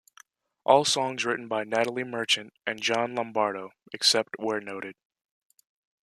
All songs written by Natalie Merchant and John Lombardo, except where noted.